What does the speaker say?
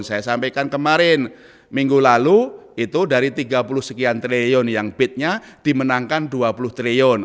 saya sampaikan kemarin minggu lalu itu dari tiga puluh sekian triliun yang bitnya dimenangkan dua puluh triliun